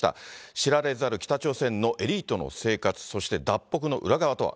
知られざる北朝鮮のエリートの生活、そして脱北の裏側とは。